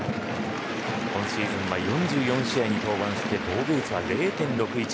今シーズンは４４試合に登板し防御率は０．６１。